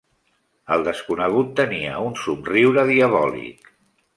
El desconegut tenia un somriure diabòlic.